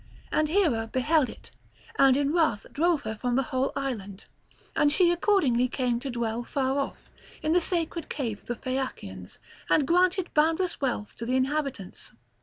And Hera beheld it, and in wrath drove her from the whole island. And she accordingly came to dwell far off, in the sacred cave of the Phaeacians, and granted boundless wealth to the inhabitants.